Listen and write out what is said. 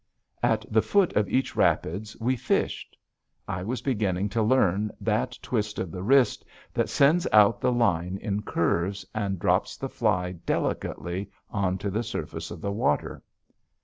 At the foot of each rapids we fished. I was beginning to learn that twist of the wrist that sends out the line in curves, and drops the fly delicately on to the surface of the water.